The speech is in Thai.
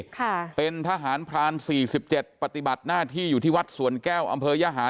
ค่ะเป็นทหารพรานสี่สิบเจ็ดปฏิบัติหน้าที่อยู่ที่วัดสวนแก้วอำเภอยหา